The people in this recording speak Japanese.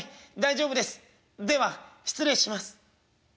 では失礼します」。